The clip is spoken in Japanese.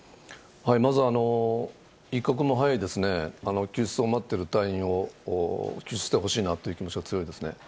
まず、一刻も早い救出を待っている隊員を救出してほしいという気持ちが強いですね。